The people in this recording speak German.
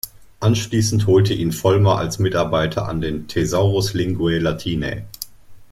Anschließend holte ihn Vollmer als Mitarbeiter an den "Thesaurus Linguae Latinae".